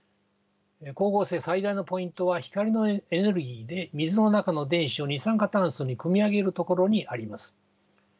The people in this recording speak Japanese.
光合成最大のポイントは光のエネルギーで水の中の電子を二酸化炭素にくみ上げるところにあります。